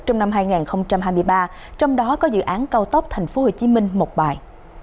trong năm hai nghìn hai mươi ba trong đó có dự án cao tốc thành phố hồ chí minh một bài